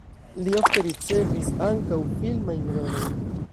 Li ofte ricevis ankaŭ filmajn rolojn.